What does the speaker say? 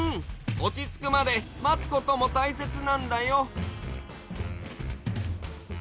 おちつくまでまつこともたいせつなんだよ。